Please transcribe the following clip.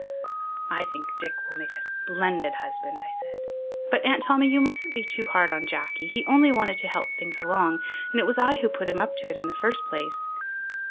"I think Dick will make a splendid husband," I said. "But Aunt Tommy, you mustn't be too hard on Jacky. He only wanted to help things along, and it was I who put him up it in the first place."